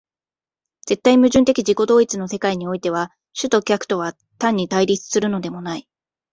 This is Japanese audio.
絶対矛盾的自己同一の世界においては、主と客とは単に対立するのでもない。